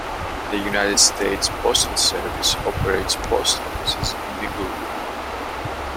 The United States Postal Service operates post offices in Inglewood.